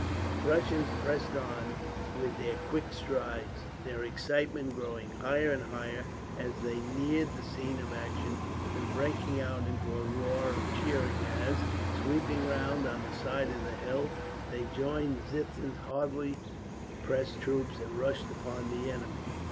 The Prussians pressed on with their quick strides, their excitement growing higher and higher as they neared the scene of action; and breaking out into a roar of cheering as, sweeping round on the side of the hill, they joined Ziethen's hardly pressed troops and rushed upon the enemy.